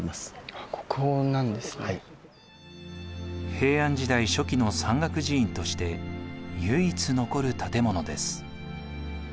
平安時代初期の山岳寺院として唯一残る建物です。